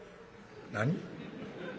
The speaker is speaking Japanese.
「何？